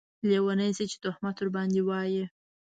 لیونۍ شې چې تهمت ورباندې واېې